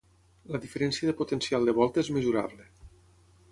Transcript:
La diferència de potencial de Volta és mesurable.